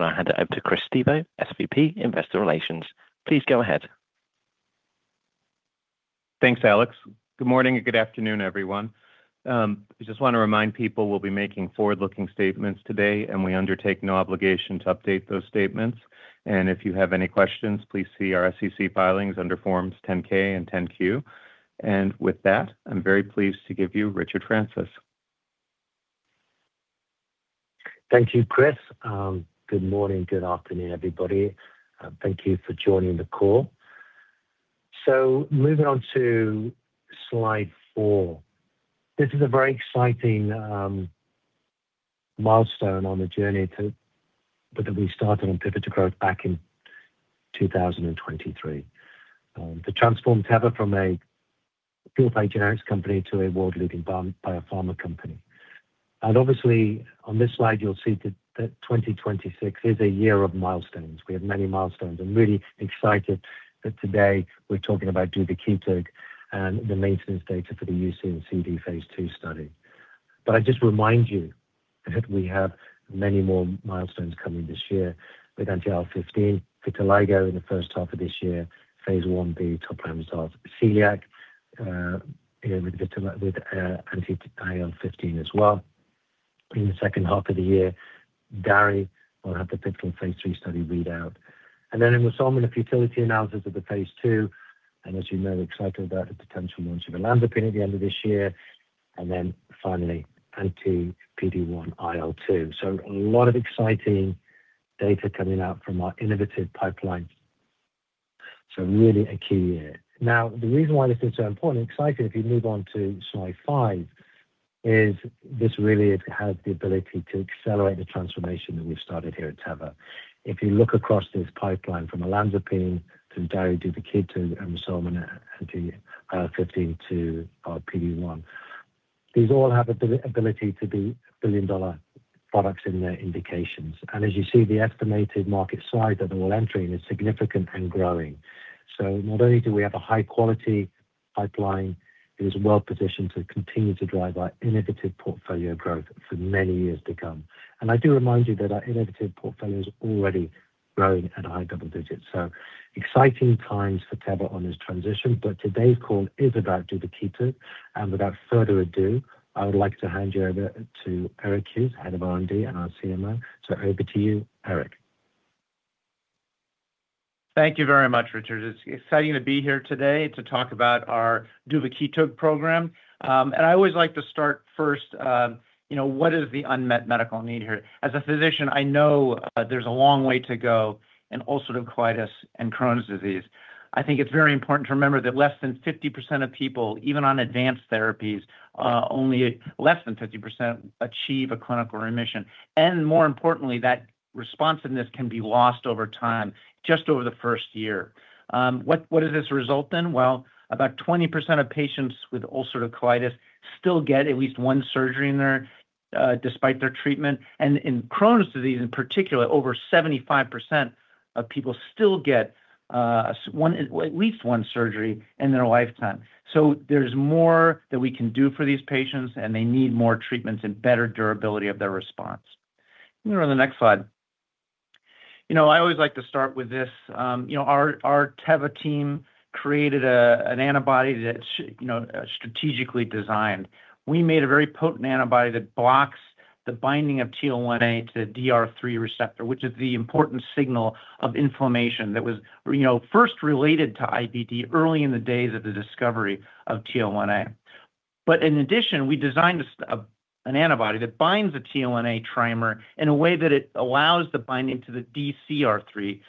I hand it over to Chris Stevo, SVP, Investor Relations. Please go ahead. Thanks, Alex. Good morning and good afternoon, everyone. I just want to remind people we'll be making forward-looking statements today, and we undertake no obligation to update those statements. If you have any questions, please see our SEC filings under Forms 10-K and 10-Q. With that, I'm very pleased to give you Richard Francis. Thank you, Chris. Good morning, good afternoon, everybody. Thank you for joining the call. Moving on to slide 4. This is a very exciting milestone on the journey to, that we started on Pivot to Growth back in 2023, to transform Teva from a pure biogenerics company to a world-leading biopharma company. Obviously, on this slide, you'll see that, that 2026 is a year of milestones. We have many milestones. I'm really excited that today we're talking about Duvakitug and the maintenance data for the UC and CD phase II study. But I just remind you that we have many more milestones coming this year with IL-15, vitiligo in the first half of this year, phase I-B top line results, celiac with anti-IL-15 as well. In the second half of the year, DARI will have the pivotal phase III study readout, and then in Remsima, the futility analysis of the phase II, and as you know, excited about the potential launch of olanzapine at the end of this year, and then finally, anti-PD1-IL-2. So a lot of exciting data coming out from our innovative pipeline. So really a key year. Now, the reason why this is so important and exciting, if you move on to slide 5, is this really has the ability to accelerate the transformation that we've started here at Teva. If you look across this pipeline, from olanzapine to DARI, Duvakitug, and Remsima, anti-IL-15 to our PD-1, these all have the ability to be billion-dollar products in their indications. And as you see, the estimated market size that we're entering is significant and growing. So not only do we have a high-quality pipeline, it is well positioned to continue to drive our innovative portfolio growth for many years to come. And I do remind you that our innovative portfolio is already growing at high double digits. So exciting times for Teva on this transition. But today's call is about Duvakitug, and without further ado, I would like to hand you over to Eric Hughes, Head of R&D and our CMO. So over to you, Eric. Thank you very much, Richard. It's exciting to be here today to talk about our Duvakitug program. And I always like to start first, you know, what is the unmet medical need here? As a physician, I know, there's a long way to go in ulcerative colitis and Crohn's disease. I think it's very important to remember that less than 50% of people, even on advanced therapies, only less than 50% achieve a clinical remission. And more importantly, that responsiveness can be lost over time, just over the first year. What does this result in? Well, about 20% of patients with ulcerative colitis still get at least one surgery in their, despite their treatment. And in Crohn's disease, in particular, over 75% of people still get at least one surgery in their lifetime. So there's more that we can do for these patients, and they need more treatments and better durability of their response. Can we go on the next slide? You know, I always like to start with this. You know, our Teva team created an antibody that's, you know, strategically designed. We made a very potent antibody that blocks the binding of TL1A to the DR3 receptor, which is the important signal of inflammation that was, you know, first related to IBD early in the days of the discovery of TL1A. But in addition, we designed an antibody that binds the TL1A trimer in a way that it allows the binding to the DCR3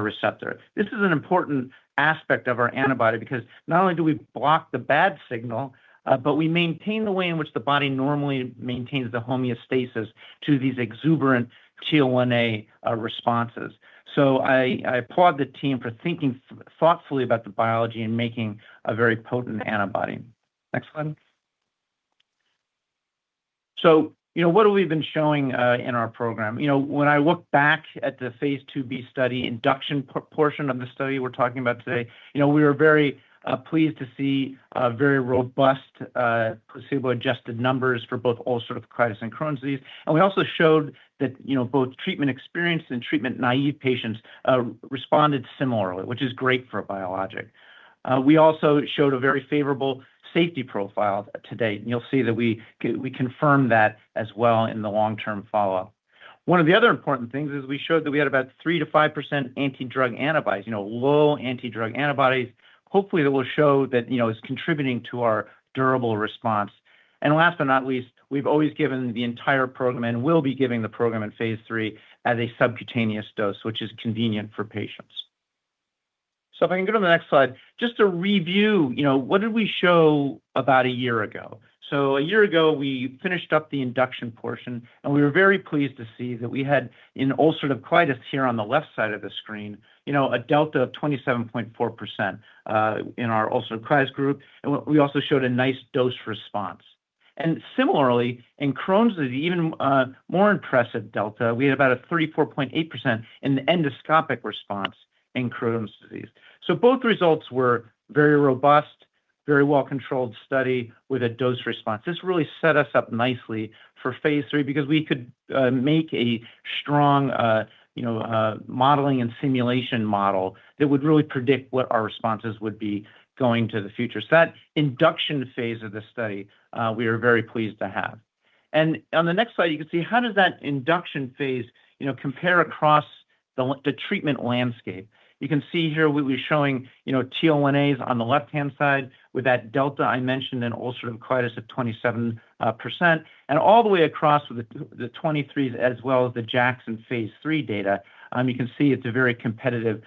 receptor. This is an important aspect of our antibody because not only do we block the bad signal, but we maintain the way in which the body normally maintains the homeostasis to these exuberant TL1A responses. So I applaud the team for thinking thoughtfully about the biology and making a very potent antibody. Next slide. So, you know, what have we been showing in our program? You know, when I look back at the phase IIb study, induction portion of the study we're talking about today, you know, we were very pleased to see very robust placebo-adjusted numbers for both ulcerative colitis and Crohn's disease. And we also showed that, you know, both treatment-experienced and treatment-naive patients responded similarly, which is great for a biologic. We also showed a very favorable safety profile to date, and you'll see that we, we confirmed that as well in the long-term follow-up. One of the other important things is we showed that we had about 3%-5% anti-drug antibodies, you know, low anti-drug antibodies. Hopefully, that will show that, you know, it's contributing to our durable response. And last but not least, we've always given the entire program, and will be giving the program in phase III as a subcutaneous dose, which is convenient for patients. So if I can go to the next slide, just to review, you know, what did we show about a year ago? So a year ago, we finished up the induction portion, and we were very pleased to see that we had, in ulcerative colitis, here on the left side of the screen, you know, a delta of 27.4% in our ulcerative colitis group, and we also showed a nice dose response. And similarly, in Crohn's disease, even more impressive delta, we had about a 34.8% in the endoscopic response in Crohn's disease. So both results were very robust. Very well controlled study with a dose response. This really set us up nicely for phase III because we could make a strong, you know, modeling and simulation model that would really predict what our responses would be going to the future. So that induction phase of the study, we are very pleased to have. On the next slide, you can see how does that induction phase, you know, compare across the the treatment landscape? You can see here we, we're showing, you know, TL1As on the left-hand side with that delta I mentioned in ulcerative colitis of 27%, and all the way across with the, the IL-23s, as well as the JAKs in phase three data. You can see it's a very competitive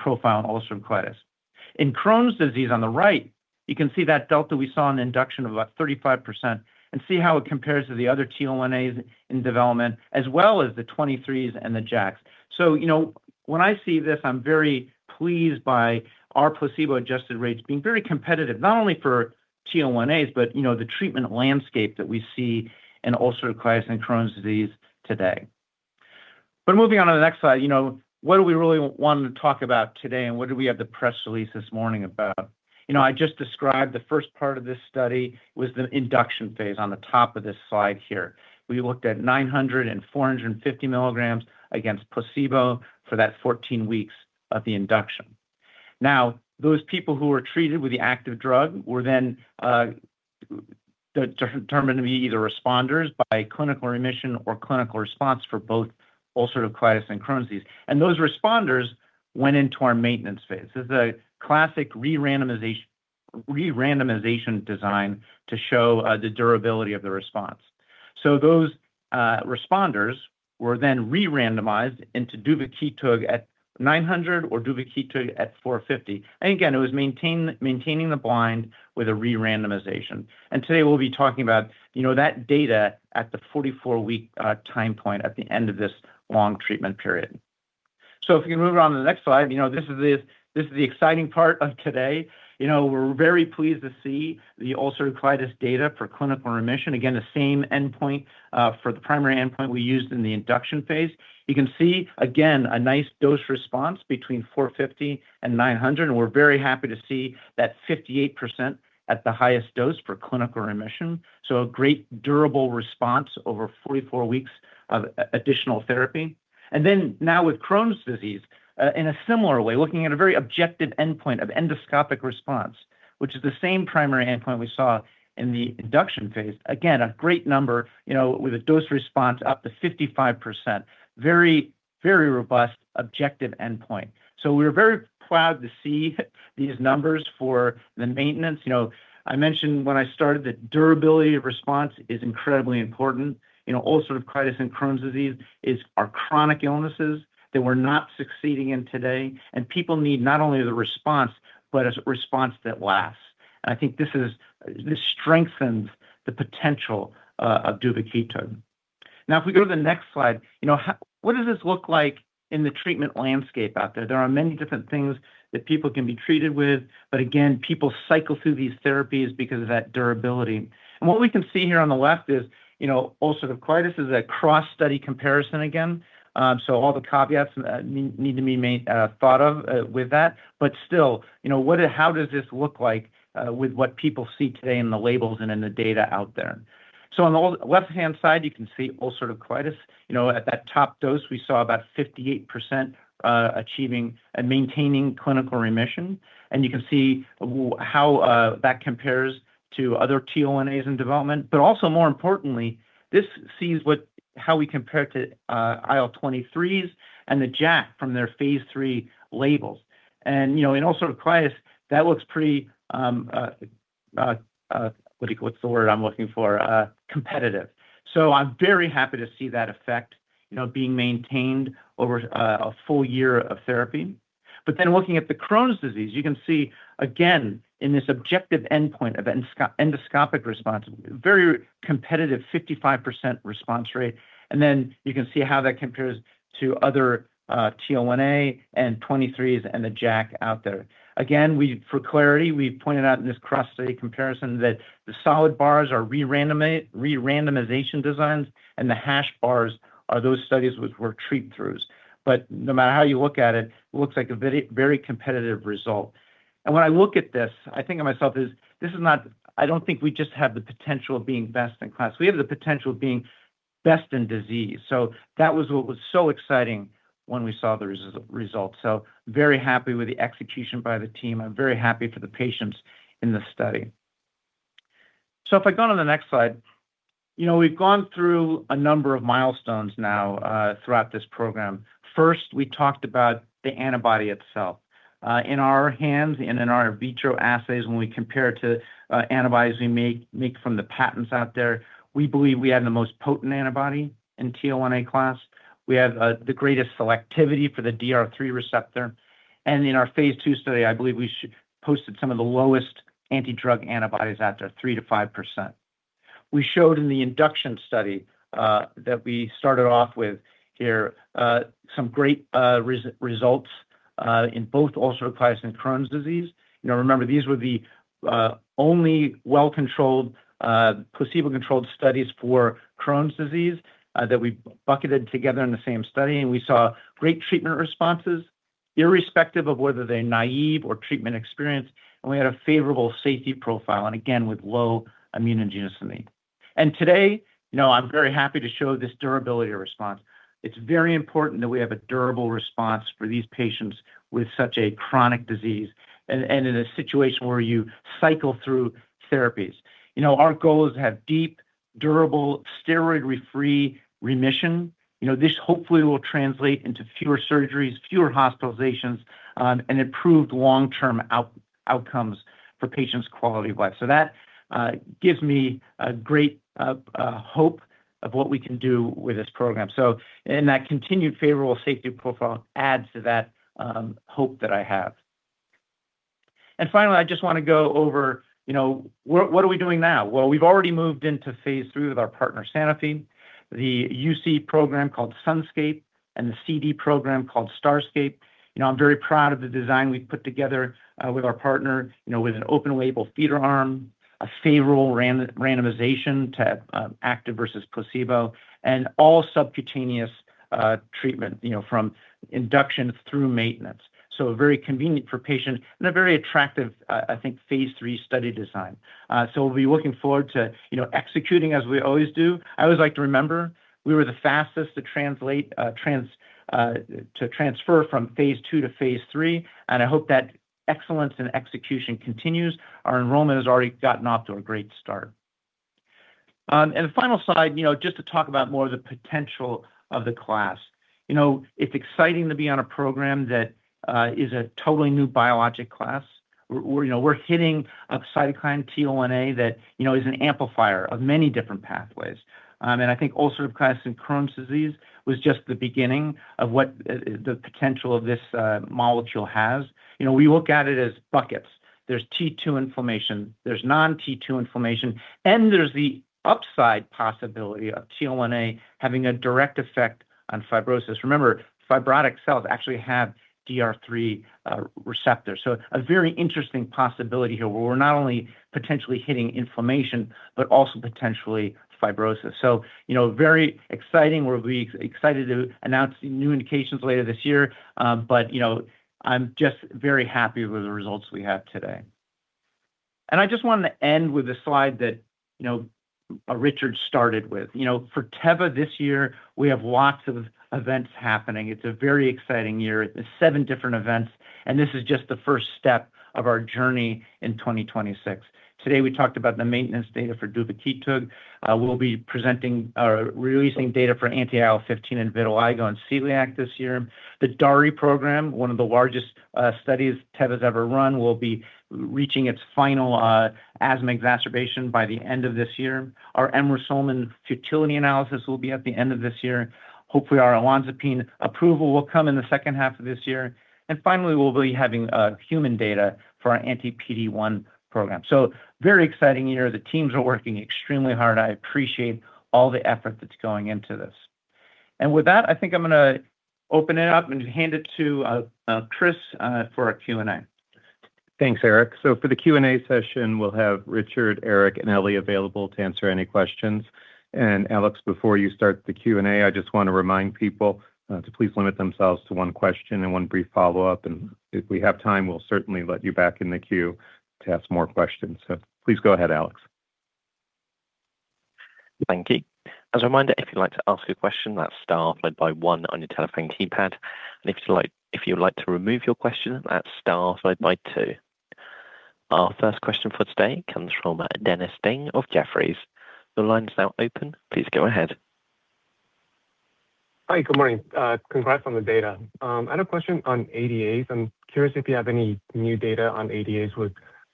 profile in ulcerative colitis. In Crohn's disease on the right, you can see that delta we saw in induction of about 35% and see how it compares to the other TL1As in development, as well as the IL-23s and the JAKs. So, you know, when I see this, I'm very pleased by our placebo-adjusted rates being very competitive, not only for TL1As, but, you know, the treatment landscape that we see in ulcerative colitis and Crohn's disease today. But moving on to the next slide, you know, what do we really want to talk about today, and what did we have the press release this morning about? You know, I just described the first part of this study was the induction phase on the top of this slide here. We looked at 900 and 450 milligrams against placebo for that 14 weeks of the induction. Now, those people who were treated with the active drug were then determined to be either responders by clinical remission or clinical response for both ulcerative colitis and Crohn's disease. And those responders went into our maintenance phase. This is a classic re-randomization, re-randomization design to show, the durability of the response. So those, responders were then re-randomized into duvakitug at 900 or duvakitug at 450. And again, it was maintaining the blind with a re-randomization. And today, we'll be talking about, you know, that data at the 44-week time point at the end of this long treatment period. So if you can move on to the next slide, you know, this is the, this is the exciting part of today. You know, we're very pleased to see the ulcerative colitis data for clinical remission. Again, the same endpoint, for the primary endpoint we used in the induction phase. You can see, again, a nice dose response between 450 and 900, and we're very happy to see that 58% at the highest dose for clinical remission. So a great durable response over 44 weeks of additional therapy. And then now with Crohn's disease, in a similar way, looking at a very objective endpoint of endoscopic response, which is the same primary endpoint we saw in the induction phase. Again, a great number, you know, with a dose response up to 55%. Very, very robust objective endpoint. So we're very proud to see these numbers for the maintenance. You know, I mentioned when I started that durability of response is incredibly important. You know, ulcerative colitis and Crohn's disease is, are chronic illnesses that we're not succeeding in today, and people need not only the response, but a response that lasts. And I think this is, this strengthens the potential of Duvakitug. Now, if we go to the next slide, you know, what does this look like in the treatment landscape out there? There are many different things that people can be treated with, but again, people cycle through these therapies because of that durability. And what we can see here on the left is, you know, ulcerative colitis is a cross-study comparison again. So all the caveats need to be made, thought of, with that. But still, you know, how does this look like, with what people see today in the labels and in the data out there? So on the left-hand side, you can see ulcerative colitis. You know, at that top dose, we saw about 58% achieving and maintaining clinical remission, and you can see how that compares to other TL1As in development. But also, more importantly, this sees what, how we compare to IL-23s and the JAK from their phase III labels. And, you know, in ulcerative colitis, that looks pretty, what is, what's the word I'm looking for? Competitive. So I'm very happy to see that effect, you know, being maintained over a full year of therapy. But then looking at the Crohn's disease, you can see, again, in this objective endpoint of endoscopic response, very competitive, 55% response rate. And then you can see how that compares to other, TL1A, and 23s, and the JAK out there. Again, we, for clarity, we've pointed out in this cross-study comparison that the solid bars are re-randomization designs, and the hash bars are those studies which were treat-throughs. But no matter how you look at it, it looks like a very, very competitive result. And when I look at this, I think to myself, this, this is not—I don't think we just have the potential of being best in class. We have the potential of being best in disease. So that was what was so exciting when we saw the results. So very happy with the execution by the team. I'm very happy for the patients in this study. So if I go on to the next slide, you know, we've gone through a number of milestones now throughout this program. First, we talked about the antibody itself. In our hands and in vitro assays, when we compare it to antibodies we make from the patents out there, we believe we have the most potent antibody in TL1A class. We have the greatest selectivity for the DR3 receptor. And in our phase II study, I believe we posted some of the lowest anti-drug antibodies out there, 3%-5%. We showed in the induction study that we started off with here some great results in both ulcerative colitis and Crohn's disease. You know, remember, these were the only well-controlled placebo-controlled studies for Crohn's disease that we bucketed together in the same study, and we saw great treatment responses, irrespective of whether they're naive or treatment experienced, and we had a favorable safety profile, and again, with low immunogenicity. And today, you know, I'm very happy to show this durability response. It's very important that we have a durable response for these patients with such a chronic disease and in a situation where you cycle through therapies. You know, our goal is to have deep, durable, steroid-free remission. You know, this hopefully will translate into fewer surgeries, fewer hospitalizations, and improved long-term outcomes for patients' quality of life. So that gives me a great hope of what we can do with this program. So and that continued favorable safety profile adds to that hope that I have. And finally, I just want to go over, you know, what are we doing now? Well, we've already moved into phase three with our partner, Sanofi, the UC program called Sunscape and the CD program called Starscape. You know, I'm very proud of the design we've put together with our partner, you know, with an open-label feeder arm, a favorable randomization to active versus placebo, and all subcutaneous treatment, you know, from induction through maintenance. So very convenient for patients and a very attractive, I think, phase III study design. So we'll be looking forward to, you know, executing as we always do. I always like to remember, we were the fastest to transfer from phase II to phase III, and I hope that excellence in execution continues. Our enrollment has already gotten off to a great start. And the final slide, you know, just to talk about more of the potential of the class. You know, it's exciting to be on a program that is a totally new biologic class. We're, you know, we're hitting a cytokine TL1A that, you know, is an amplifier of many different pathways. And I think ulcerative colitis and Crohn's disease was just the beginning of what the potential of this molecule has. You know, we look at it as buckets. There's T2 inflammation, there's non-T2 inflammation, and there's the upside possibility of TL1A having a direct effect on fibrosis. Remember, fibrotic cells actually have DR3 receptors. So a very interesting possibility here, where we're not only potentially hitting inflammation, but also potentially fibrosis. So you know, very exciting. We're excited to announce the new indications later this year, but, you know, I'm just very happy with the results we have today. And I just wanted to end with a slide that, you know, Richard started with. You know, for Teva this year, we have lots of events happening. It's a very exciting year. There's seven different events, and this is just the first step of our journey in 2026. Today, we talked about the maintenance data for Duvakitug. We'll be presenting or releasing data for anti-IL-15 in vitiligo and celiac this year. The DARI program, one of the largest studies Teva has ever run, will be reaching its final asthma exacerbation by the end of this year. Our Remsima futility analysis will be at the end of this year. Hopefully, our olanzapine approval will come in the second half of this year. And finally, we'll be having human data for our anti-PD-1 program. So very exciting year. The teams are working extremely hard. I appreciate all the effort that's going into this. And with that, I think I'm gonna open it up and hand it to Chris for our Q&A. Thanks, Eric. So for the Q&A session, we'll have Richard, Eric, and Eli available to answer any questions. And Alex, before you start the Q&A, I just want to remind people to please limit themselves to one question and one brief follow-up. And if we have time, we'll certainly let you back in the queue to ask more questions. So please go ahead, Alex. Thank you. As a reminder, if you'd like to ask a question, that's star followed by one on your telephone keypad, and if you'd like to remove your question, that's star followed by two. Our first question for today comes from Dennis Ding of Jefferies. The line is now open. Please go ahead. Hi, good morning. Congrats on the data. I had a question on ADAs. I'm curious if you have any new data on ADAs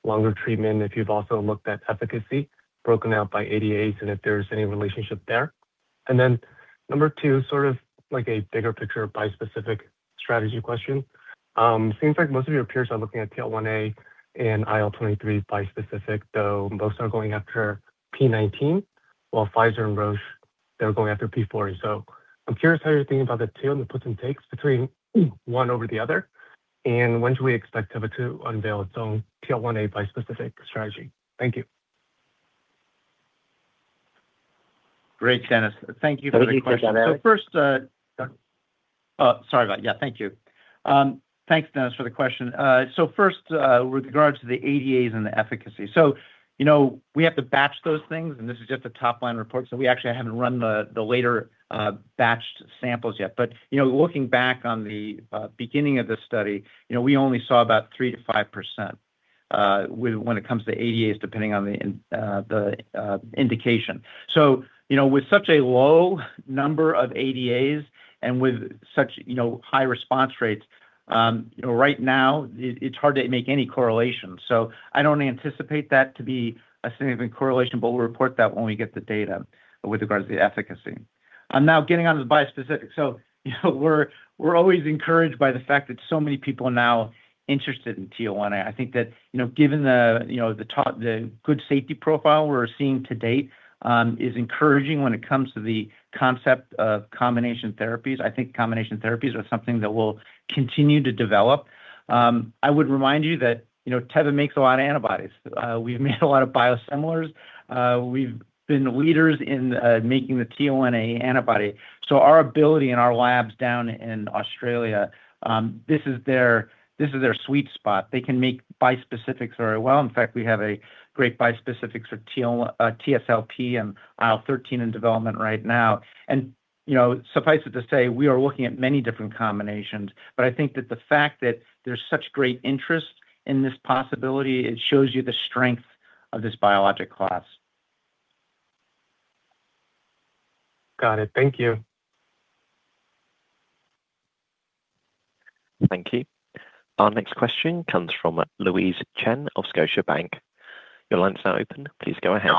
with longer treatment, if you've also looked at efficacy broken out by ADAs, and if there's any relationship there. And then number two, sort of like a bigger picture, bispecific strategy question. Seems like most of your peers are looking at TL1A and IL-23 bispecific, though both are going after P19, while Pfizer and Roche, they're going after P40. So I'm curious how you're thinking about the two and the puts and takes between one over the other, and when do we expect Teva to unveil its own TL1A bispecific strategy? Thank you. Great, Dennis. Thank you for the question. So first, thanks, Dennis, for the question. So first, with regards to the ADAs and the efficacy. So, you know, we have to batch those things, and this is just a top-line report. So we actually haven't run the later batched samples yet. But, you know, looking back on the beginning of this study, you know, we only saw about 3%-5% when it comes to ADAs, depending on the indication. So, you know, with such a low number of ADAs and with such high response rates, right now, it's hard to make any correlation. So I don't anticipate that to be a significant correlation, but we'll report that when we get the data with regards to the efficacy. Now getting on to bispecific. So, you know, we're always encouraged by the fact that so many people are now interested in TL1A. I think that, you know, given the, you know, the good safety profile we're seeing to date, is encouraging when it comes to the concept of combination therapies. I think combination therapies are something that will continue to develop. I would remind you that, you know, Teva makes a lot of antibodies. We've made a lot of biosimilars. We've been leaders in making the TL1A antibody. So our ability in our labs down in Australia, this is their sweet spot. They can make bispecifics very well. In fact, we have a great bispecific for TSLP and IL-13 in development right now. And, you know, suffice it to say, we are looking at many different combinations. But I think that the fact that there's such great interest in this possibility, it shows you the strength of this biologic class. ... Got it. Thank you. Thank you. Our next question comes from Louise Chen of Scotiabank. Your line's now open. Please go ahead.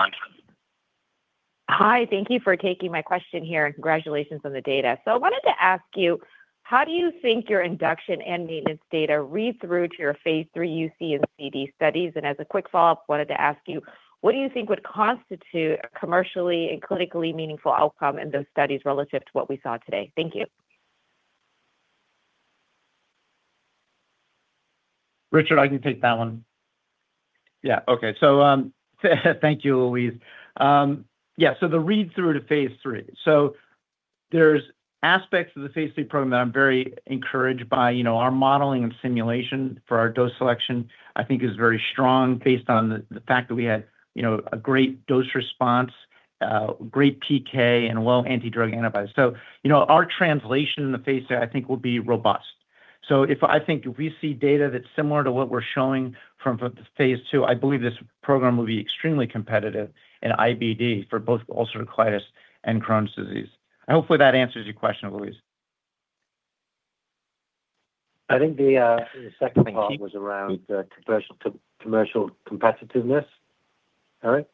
Hi, thank you for taking my question here, and congratulations on the data. So I wanted to ask you, how do you think your induction and maintenance data read through to your phase III UC and CD studies? And as a quick follow-up, wanted to ask you, what do you think would constitute a commercially and clinically meaningful outcome in those studies relative to what we saw today? Thank you. Richard, I can take that one. Yeah. Okay. So, thank you, Louise. Yeah, so the read-through to phase III. So there's aspects of the phase III program that I'm very encouraged by. You know, our modeling and simulation for our dose selection, I think, is very strong, based on the fact that we had, you know, a great dose response, great PK, and well, anti-drug antibody. So, you know, our translation in the phase III, I think, will be robust. So if I think we see data that's similar to what we're showing from the phase II, I believe this program will be extremely competitive in IBD for both ulcerative colitis and Crohn's disease. I hope that answers your question, Louise. I think the second part was around the commercial competitiveness. Eric?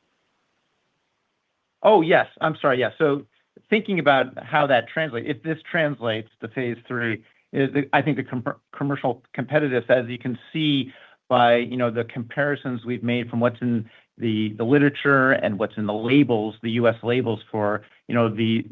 Oh, yes. I'm sorry. Yeah. So thinking about how that translates, if this translates to phase three, is, I think, the commercial competitiveness, as you can see by, you know, the comparisons we've made from what's in the, the literature and what's in the labels, the U.S. labels, for, you know, the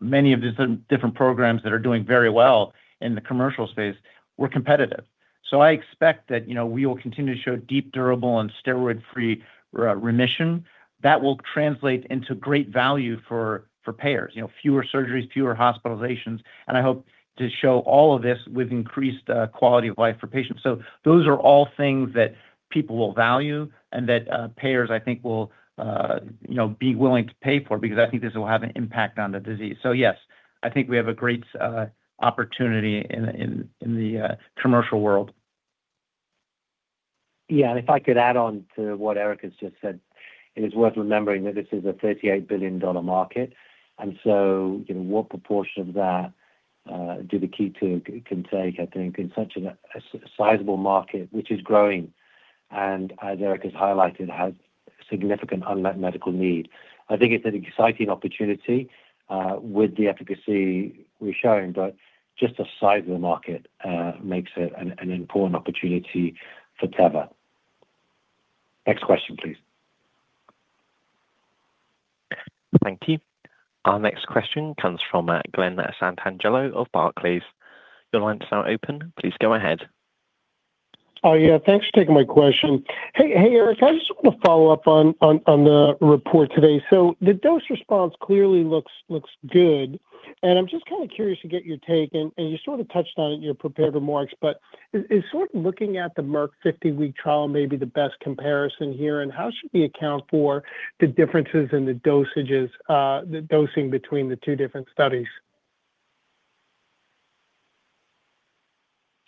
many of these different programs that are doing very well in the commercial space, we're competitive. So I expect that, you know, we will continue to show deep, durable, and steroid-free remission. That will translate into great value for, for payers, you know, fewer surgeries, fewer hospitalizations, and I hope to show all of this with increased quality of life for patients. So those are all things that people will value and that payers, I think, will, you know, be willing to pay for, because I think this will have an impact on the disease. So yes, I think we have a great opportunity in the commercial world. Yeah, and if I could add on to what Eric has just said, it is worth remembering that this is a $38 billion market, and so, you know, what proportion of that Teva can take, I think, in such a sizable market, which is growing, and as Eric has highlighted, has significant unmet medical need. I think it's an exciting opportunity with the efficacy we're showing, but just the size of the market makes it an important opportunity for Teva. Next question, please. Thank you. Our next question comes from Glenn Santangelo of Barclays. Your line is now open. Please go ahead. Oh, yeah. Thanks for taking my question. Hey, Eric, I just want to follow up on the report today. So the dose response clearly looks good, and I'm just kinda curious to get your take, and you sort of touched on it in your prepared remarks, but is sort of looking at the Merck 50-week trial may be the best comparison here, and how should we account for the differences in the dosages, the dosing between the two different studies?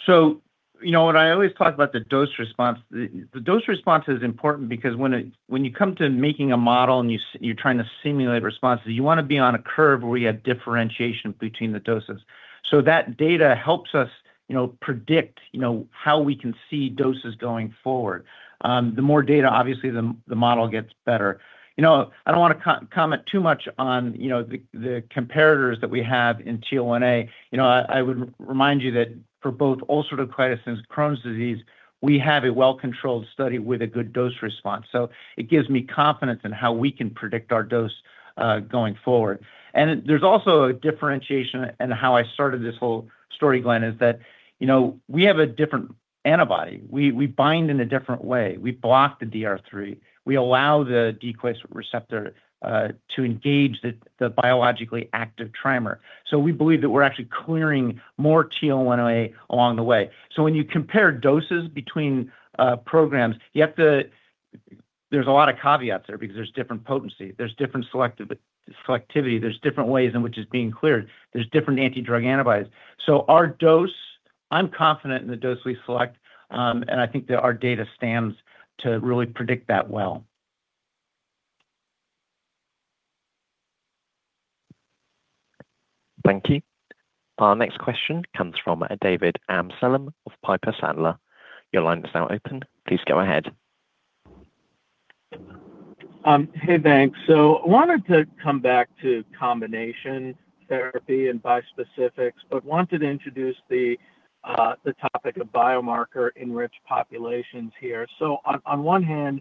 So you know what? I always talk about the dose response. The dose response is important because when you come to making a model and you're trying to simulate responses, you wanna be on a curve where you have differentiation between the doses. So that data helps us, you know, predict, you know, how we can see doses going forward. The more data, obviously, the model gets better. You know, I don't wanna co-comment too much on, you know, the comparators that we have in TL1A. You know, I would remind you that for both ulcerative colitis and Crohn's disease, we have a well-controlled study with a good dose response. So it gives me confidence in how we can predict our dose going forward. And there's also a differentiation in how I started this whole story, Glenn, is that, you know, we have a different antibody. We bind in a different way. We block the DR3. We allow the DCR3 receptor to engage the biologically active trimer. So we believe that we're actually clearing more TL1A along the way. So when you compare doses between programs, you have to... There's a lot of caveats there because there's different potency, there's different selectivity, there's different ways in which it's being cleared, there's different anti-drug antibodies. So our dose, I'm confident in the dose we select, and I think that our data stands to really predict that well. Thank you. Our next question comes from David Amsellem of Piper Sandler. Your line is now open. Please go ahead. Hey, thanks. So I wanted to come back to combination therapy and bispecifics, but wanted to introduce the, the topic of biomarker-enriched populations here. So on, on one hand,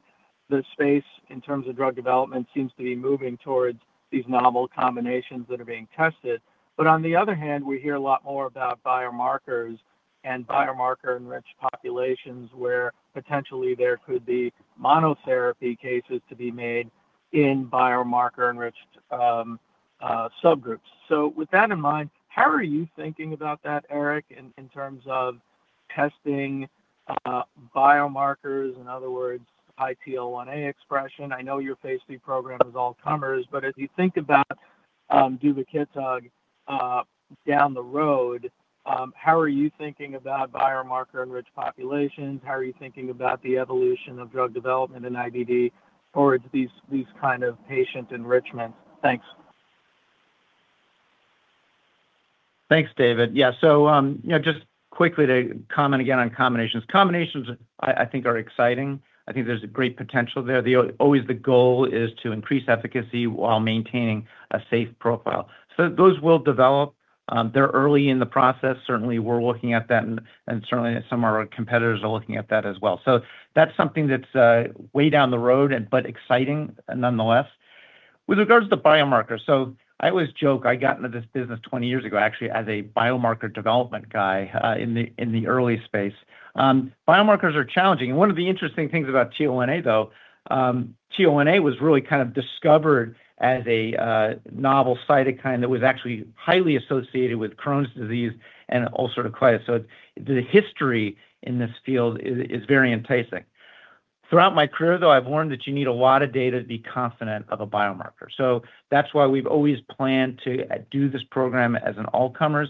the space, in terms of drug development, seems to be moving towards these novel combinations that are being tested. But on the other hand, we hear a lot more about biomarkers and biomarker-enriched populations, where potentially there could be monotherapy cases to be made in biomarker-enriched, subgroups. So with that in mind, how are you thinking about that, Eric, in, in terms of testing, biomarkers, in other words, high TL1A expression? I know your phase three program is all comers, but as you think about Duvakitug down the road, how are you thinking about biomarker-enriched populations? How are you thinking about the evolution of drug development in IBD towards these, these kind of patient enrichment? Thanks. Thanks, David. Yeah, so, you know, just quickly to comment again on combinations. Combinations, I think, are exciting. I think there's a great potential there. Always the goal is to increase efficacy while maintaining a safe profile. So those will develop. They're early in the process. Certainly, we're looking at that, and certainly some of our competitors are looking at that as well. So that's something that's way down the road, but exciting nonetheless. With regards to the biomarker, so I always joke, I got into this business 20 years ago, actually as a biomarker development guy, in the early space. Biomarkers are challenging, and one of the interesting things about TL1A, though, TL1A was really kind of discovered as a novel cytokine that was actually highly associated with Crohn's disease and ulcerative colitis. So the history in this field is very enticing. Throughout my career, though, I've learned that you need a lot of data to be confident of a biomarker. So that's why we've always planned to do this program as an all-comers.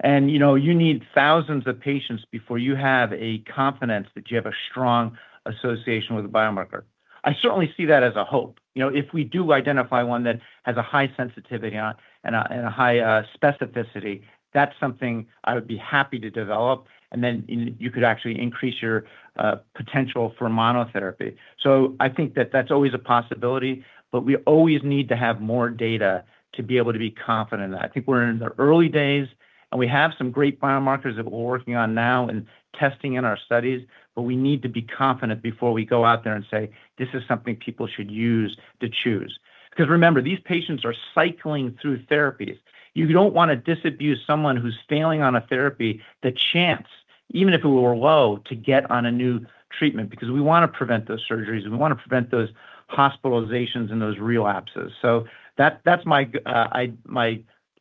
And, you know, you need thousands of patients before you have a confidence that you have a strong association with a biomarker. I certainly see that as a hope. You know, if we do identify one that has a high sensitivity and a high specificity, that's something I would be happy to develop, and then you could actually increase your potential for monotherapy. So I think that that's always a possibility, but we always need to have more data to be able to be confident in that. I think we're in the early days, and we have some great biomarkers that we're working on now and testing in our studies, but we need to be confident before we go out there and say, "This is something people should use to choose." 'Cause remember, these patients are cycling through therapies. You don't wanna disabuse someone who's failing on a therapy, the chance, even if it were low, to get on a new treatment, because we wanna prevent those surgeries, and we wanna prevent those hospitalizations and those relapses. So that, that's my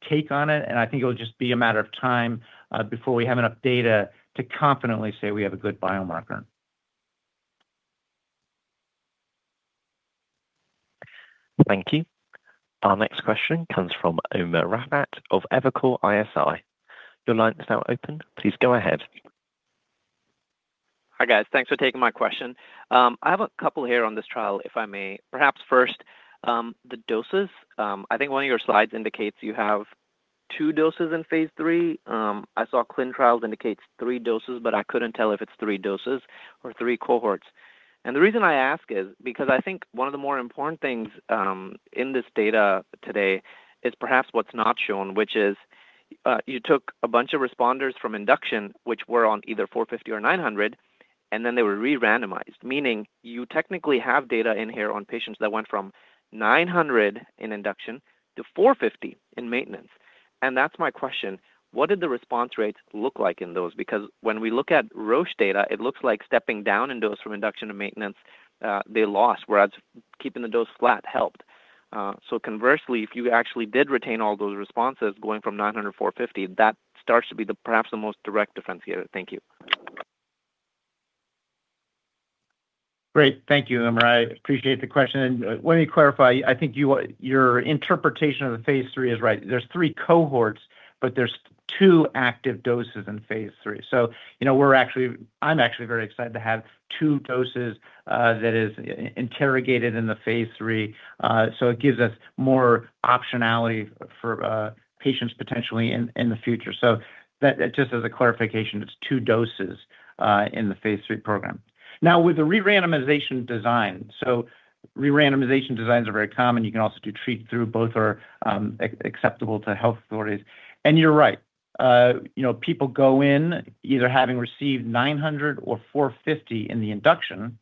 take on it, and I think it'll just be a matter of time before we have enough data to confidently say we have a good biomarker. Thank you. Our next question comes from Umer Raffat of Evercore ISI. Your line is now open. Please go ahead. Hi, guys. Thanks for taking my question. I have a couple here on this trial, if I may. Perhaps first, the doses. I think one of your slides indicates you have two doses in phase three. I saw ClinicalTrials indicates three doses, but I couldn't tell if it's three doses or three cohorts. The reason I ask is because I think one of the more important things in this data today is perhaps what's not shown, which is, you took a bunch of responders from induction, which were on either 450 or 900, and then they were re-randomized, meaning you technically have data in here on patients that went from 900 in induction to 450 in maintenance. That's my question: What did the response rates look like in those? Because when we look at Roche data, it looks like stepping down in dose from induction to maintenance, they lost, whereas keeping the dose flat helped. So conversely, if you actually did retain all those responses going from 900 to 450, that starts to be the, perhaps the most direct defense here. Thank you. Great. Thank you, Umair. I appreciate the question. And let me clarify, I think you, your interpretation of the phase III is right. There's three cohorts, but there's two active doses in phase III. So you know, we're actually—I'm actually very excited to have two doses, that is interrogated in the phase III, so it gives us more optionality for, patients potentially in, in the future. So that, just as a clarification, it's two doses, in the phase III program. Now, with the re-randomization design, so re-randomization designs are very common. You can also do treat through. Both are, acceptable to health authorities. And you're right, you know, people go in either having received 900 or 450 in the induction,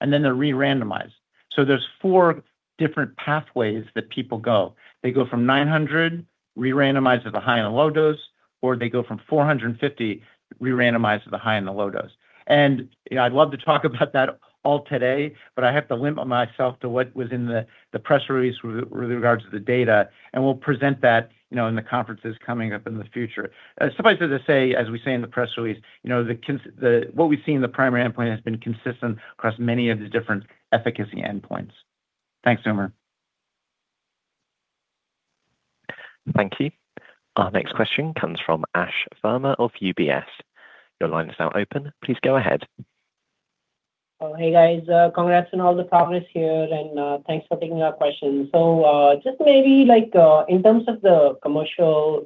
and then they're re-randomized. So there's four different pathways that people go. They go from 900, re-randomized to the high and the low dose, or they go from 450, re-randomized to the high and the low dose. And, you know, I'd love to talk about that all today, but I have to limit myself to what was in the press release with regards to the data, and we'll present that, you know, in the conferences coming up in the future. Suffice it to say, as we say in the press release, you know, the, what we've seen in the primary endpoint has been consistent across many of the different efficacy endpoints. Thanks, Umair. Thank you. Our next question comes from Ash Verma of UBS. Your line is now open. Please go ahead. Oh, hey, guys. Congrats on all the progress here, and thanks for taking our question. So, just maybe, like, in terms of the commercial,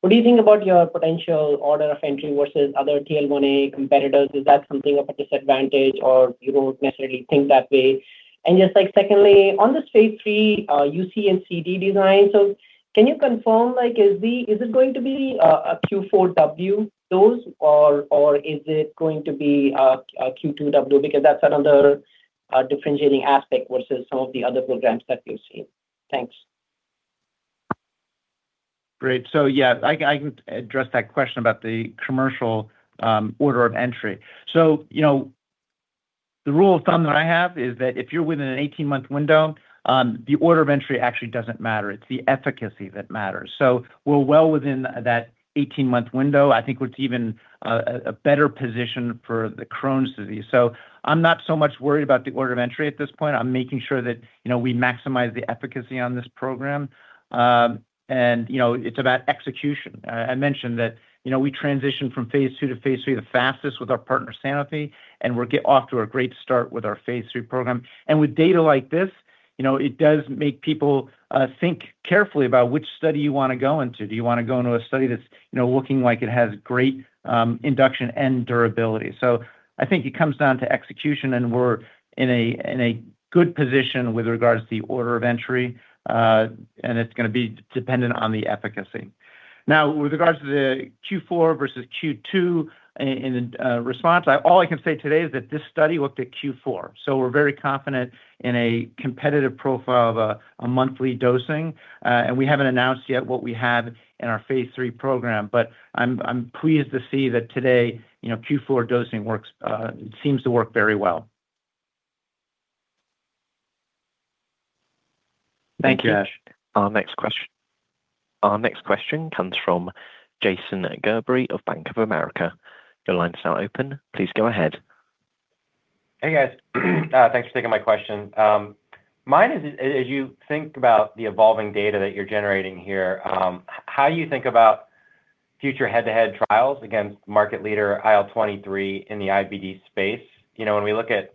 what do you think about your potential order of entry versus other TL1A competitors? Is that something of a disadvantage, or you don't necessarily think that way? And just, like, secondly, on this phase III, UC and CD design, so can you confirm, like, is the, is it going to be a Q4W dose, or is it going to be a Q2W? Because that's another differentiating aspect versus some of the other programs that we've seen. Thanks. Great. So yeah, I, I can address that question about the commercial order of entry. So, you know, the rule of thumb that I have is that if you're within an 18-month window, the order of entry actually doesn't matter. It's the efficacy that matters. So we're well within that 18-month window. I think we're even a better position for the Crohn's disease. So I'm not so much worried about the order of entry at this point. I'm making sure that, you know, we maximize the efficacy on this program, and, you know, it's about execution. I, I mentioned that, you know, we transitioned from phase II to phase III the fastest with our partner, Sanofi, and we're off to a great start with our phase III program. With data like this, you know, it does make people think carefully about which study you want to go into. Do you want to go into a study that's, you know, looking like it has great induction and durability? So I think it comes down to execution, and we're in a good position with regards to the order of entry, and it's gonna be dependent on the efficacy. Now, with regards to the Q4 versus Q2 in the response, all I can say today is that this study looked at Q4, so we're very confident in a competitive profile of a monthly dosing, and we haven't announced yet what we have in our phase III program. But I'm pleased to see that today, you know, Q4 dosing works, seems to work very well. Thank you. Our next question, our next question comes from Jason Gerberry of Bank of America. Your line is now open. Please go ahead. Hey, guys. Thanks for taking my question. Mine is, as you think about the evolving data that you're generating here, how do you think about future head-to-head trials against market leader IL-23 in the IBD space? You know, when we look at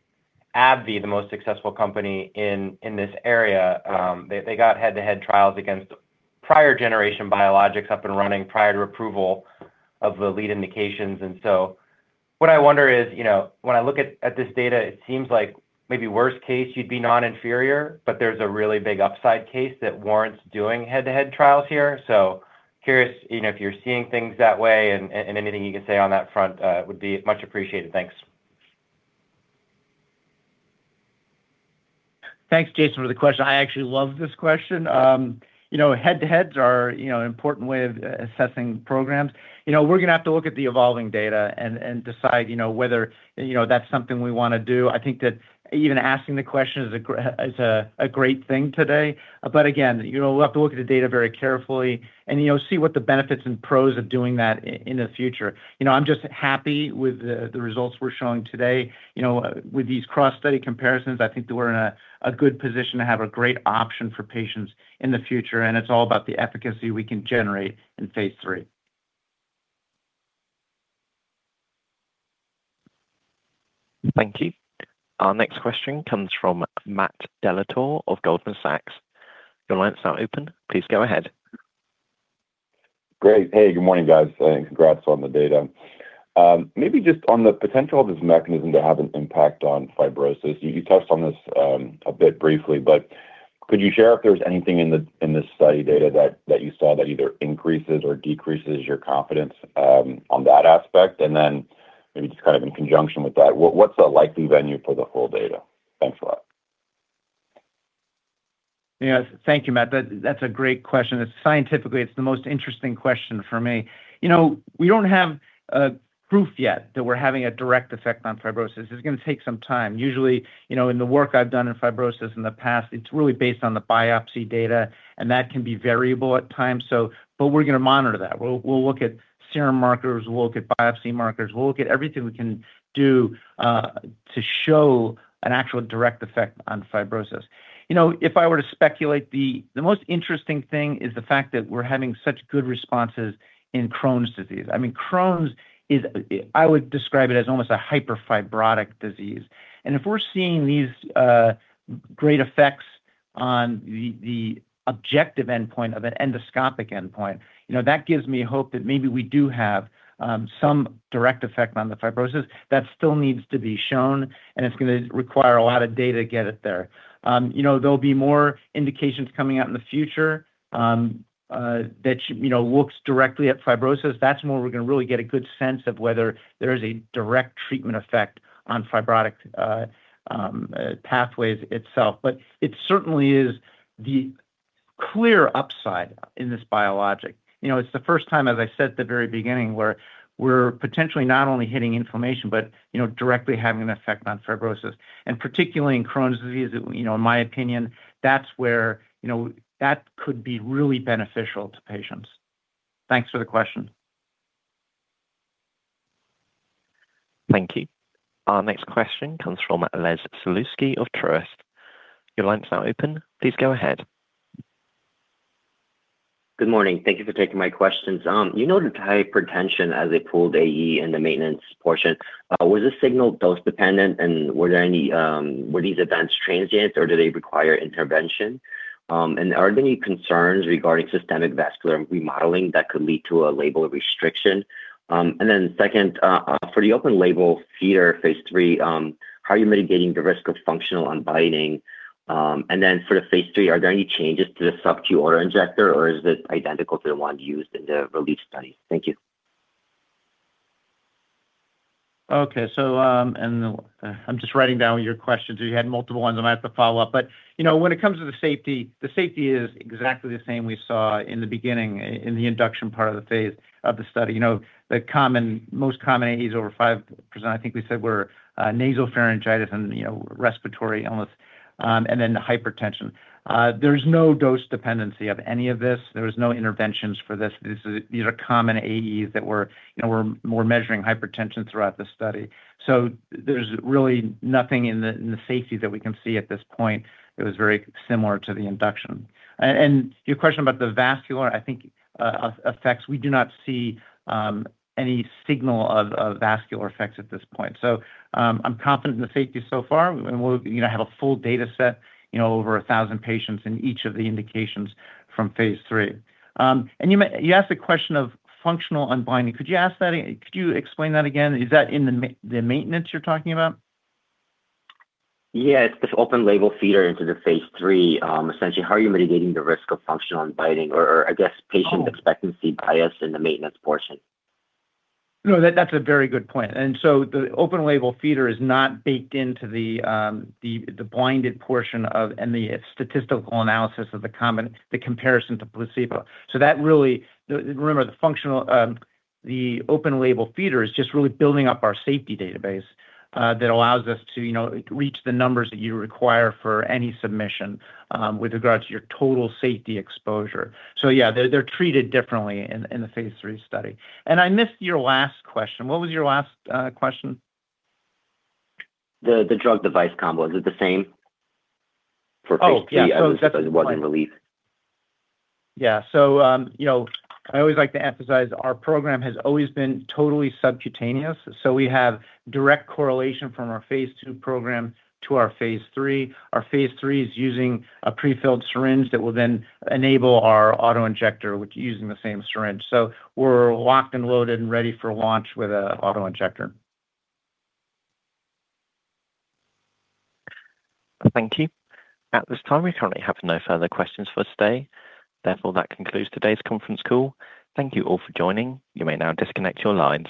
AbbVie, the most successful company in this area, they got head-to-head trials against prior generation biologics up and running prior to approval of the lead indications, and so what I wonder is, you know, when I look at this data, it seems like maybe worst case, you'd be non-inferior, but there's a really big upside case that warrants doing head-to-head trials here. So curious, you know, if you're seeing things that way, and anything you can say on that front would be much appreciated. Thanks. Thanks, Jason, for the question. I actually love this question. You know, head-to-heads are, you know, an important way of assessing programs. You know, we're gonna have to look at the evolving data and, and decide, you know, whether, you know, that's something we want to do. I think that even asking the question is a great thing today. But again, you know, we'll have to look at the data very carefully and, you know, see what the benefits and pros of doing that in the future. You know, I'm just happy with the results we're showing today. You know, with these cross-study comparisons, I think that we're in a good position to have a great option for patients in the future, and it's all about the efficacy we can generate in Phase III. Thank you. Our next question comes from Matt Dellatorre of Goldman Sachs. Your line is now open. Please go ahead. Great. Hey, good morning, guys, and congrats on the data. Maybe just on the potential of this mechanism to have an impact on fibrosis, you touched on this a bit briefly, but could you share if there's anything in this study data that you saw that either increases or decreases your confidence on that aspect? And then maybe just kind of in conjunction with that, what's the likely venue for the full data? Thanks a lot. Yes. Thank you, Matt. That, that's a great question. Scientifically, it's the most interesting question for me. You know, we don't have proof yet that we're having a direct effect on fibrosis. It's gonna take some time. Usually, you know, in the work I've done in fibrosis in the past, it's really based on the biopsy data, and that can be variable at times, so but we're gonna monitor that. We'll look at serum markers, we'll look at biopsy markers, we'll look at everything we can do to show an actual direct effect on fibrosis. You know, if I were to speculate, the most interesting thing is the fact that we're having such good responses in Crohn's disease. I mean, Crohn's is, I would describe it as almost a hyperfibrotic disease. If we're seeing these great effects on the objective endpoint of an endoscopic endpoint, you know, that gives me hope that maybe we do have some direct effect on the fibrosis. That still needs to be shown, and it's gonna require a lot of data to get it there. You know, there'll be more indications coming out in the future that should, you know, looks directly at fibrosis. That's where we're gonna really get a good sense of whether there is a direct treatment effect on fibrotic pathways itself. But it certainly is the clear upside in this biologic. You know, it's the first time, as I said at the very beginning, where we're potentially not only hitting inflammation but, you know, directly having an effect on fibrosis. Particularly in Crohn's disease, you know, in my opinion, that's where, you know, that could be really beneficial to patients. Thanks for the question. Thank you. Our next question comes from Les Sulewski of Truist. Your line is now open. Please go ahead. Good morning. Thank you for taking my questions. You noted hypertension as a pooled AE in the maintenance portion. Was this signal dose dependent, and were these events transient, or do they require intervention? And are there any concerns regarding systemic vascular remodeling that could lead to a label of restriction? And then second, for the open-label feeder phase III, how are you mitigating the risk of functional unbinding? And then for the phase III, are there any changes to the subq auto-injector, or is it identical to the one used in the RELIEVE study? Thank you. Okay, so, and I'm just writing down your questions. You had multiple ones. I might have to follow up. But, you know, when it comes to the safety, the safety is exactly the same we saw in the beginning, in the induction part of the phase of the study. You know, the common, most common AEs over 5%, I think we said were, nasopharyngitis and, you know, respiratory illness, and then hypertension. There's no dose dependency of any of this. There was no interventions for this. These are, these are common AEs that we're, you know, we're more measuring hypertension throughout the study. So there's really nothing in the, in the safety that we can see at this point that was very similar to the induction. Your question about the vascular, I think, effects, we do not see any signal of vascular effects at this point. So, I'm confident in the safety so far, and we'll, you know, have a full data set, you know, over 1,000 patients in each of the indications from phase III. And you may, you asked a question of functional unblinding. Could you ask that again? Could you explain that again? Is that in the maintenance you're talking about? Yeah, it's this open label feeder into the phase III. Essentially, how are you mitigating the risk of functional unblinding, or, or I guess, patient expectancy bias in the maintenance portion? No, that's a very good point. And so the open label feeder is not baked into the blinded portion of, and the statistical analysis of the common comparison to placebo. So that really, remember, the functional open label feeder is just really building up our safety database that allows us to, you know, reach the numbers that you require for any submission with regards to your total safety exposure. So yeah, they're treated differently in the phase III study. And I missed your last question. What was your last question? The drug device combo, is it the same for phase III? Oh, yeah. It wasn't RELIEVE. Yeah. So, you know, I always like to emphasize our program has always been totally subcutaneous, so we have direct correlation from our phase II program to our phase III. Our phase III is using a prefilled syringe that will then enable our auto-injector, which is using the same syringe. So we're locked and loaded and ready for launch with an auto-injector. Thank you. At this time, we currently have no further questions for today. Therefore, that concludes today's conference call. Thank you all for joining. You may now disconnect your lines.